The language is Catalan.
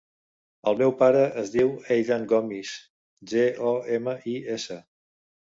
El meu pare es diu Eidan Gomis: ge, o, ema, i, essa.